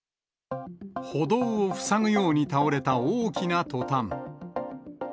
歩道を塞ぐようにして倒れた大きなトタン。